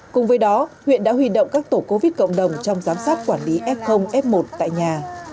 cùng với đó huyện đã huy động các tổ covid cộng đồng trong giám sát quản lý f f một tại nhà